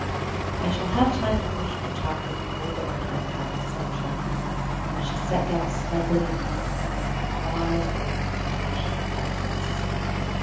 "I shall have time to finish my chapter before dinner time comes," said Jem, and she sat down snugly in one corner of the wide, old fashioned fireplace.